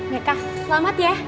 meka selamat ya